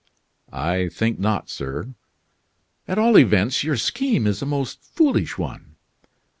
"I think not, sir." "At all events your scheme is a most foolish one!"